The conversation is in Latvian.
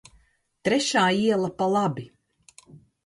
Trešā iela pa labi.